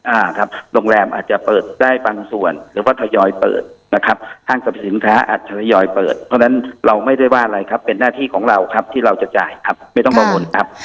อ่าครับโรงแรมอาจจะเปิดได้บางส่วนหรือว่าทยอยเปิดนะครับห้างสรรพสินค้าอาจจะทยอยเปิดเพราะฉะนั้นเราไม่ได้ว่าอะไรครับเป็นหน้าที่ของเราครับที่เราจะจ่ายครับไม่ต้องกังวลครับ